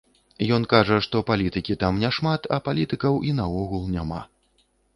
Ён кажа, што палітыкі там няшмат, а палітыкаў і наогул няма.